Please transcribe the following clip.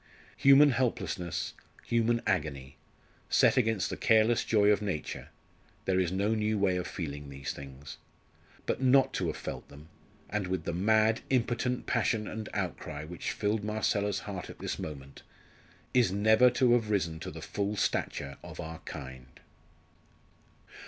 Human helplessness, human agony set against the careless joy of nature there is no new way of feeling these things. But not to have felt them, and with the mad, impotent passion and outcry which filled Marcella's heart at this moment, is never to have risen to the full stature of our kind.